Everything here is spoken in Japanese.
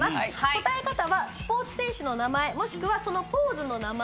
答え方はスポーツ選手の名前もしくはそのポーズの名前。